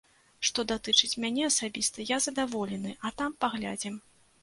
Што датычыць мяне асабіста, я задаволены, а там паглядзім.